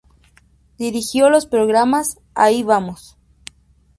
Dirigió los programas "Ahí Vamos!